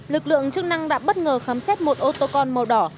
lực lượng chức năng đã bất ngờ khám xét một ô tô con màu đỏ